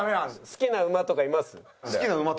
「好きな馬とかいます？」。